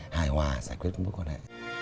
hài hòa giải quyết mối quan hệ